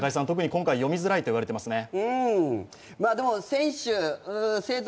今回、特に読みづらいと言われていますね。